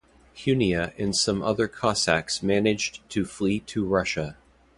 Hunia and some other cossacks managed to flee to Russia.